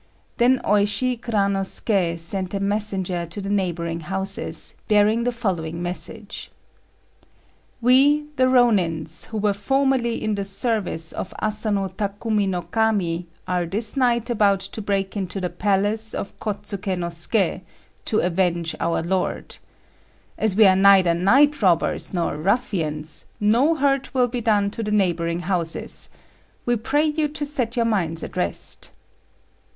Then Oishi Kuranosuké sent a messenger to the neighbouring houses, bearing the following message: "We, the Rônins who were formerly in the service of Asano Takumi no Kami, are this night about to break into the palace of Kôtsuké no Suké, to avenge our lord. As we are neither night robbers nor ruffians, no hurt will be done to the neighbouring houses. We pray you to set your minds at rest."